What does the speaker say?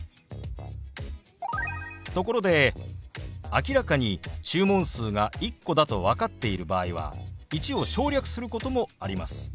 ところで明らかに注文数が１個だと分かっている場合は「１」を省略することもあります。